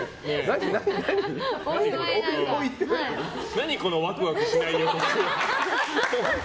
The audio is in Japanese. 何このワクワクしない予告。